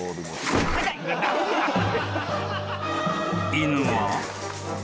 ［犬は］